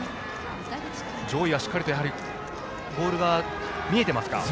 上位はしっかりとボールは見えてますか。